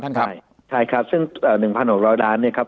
ท่านครับใช่ครับซึ่งเอ่อหนึ่งพันหกร้อยล้านเนี้ยครับ